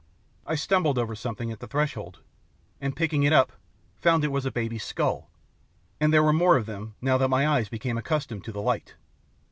I stumbled over something at the threshold, and picking it up, found it was a baby's skull! And there were more of them now that my eyes became accustomed to the light.